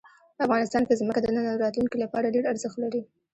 افغانستان کې ځمکه د نن او راتلونکي لپاره ډېر ارزښت لري.